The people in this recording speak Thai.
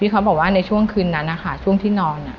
เขาบอกว่าในช่วงคืนนั้นนะคะช่วงที่นอน